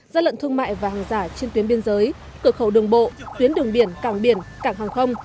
gian lận thương mại và hàng giả trên tuyến biên giới cửa khẩu đường bộ tuyến đường biển cảng biển cảng hàng không